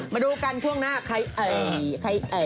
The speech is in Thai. มาดูกันช่วงหน้าใครไอใครไอ